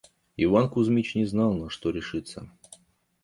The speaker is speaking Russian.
Иван Кузмич не знал, на что решиться.